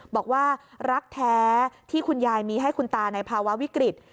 บอกว่ารักแท้ที่คุณยายมีให้คุณตาในภาวะวิกฤต